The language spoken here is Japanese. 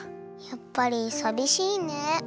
やっぱりさびしいね。